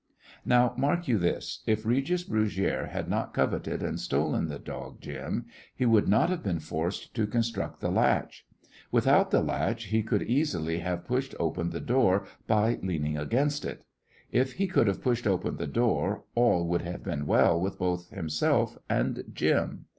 Now mark you this: If Regis Brugiere had not coveted and stolen the dog Jim, he would not have been forced to construct the latch; without the latch, he could easily have pushed open the door by leaning against it; if he could have pushed open the door, all would have been well with both himself and Jim.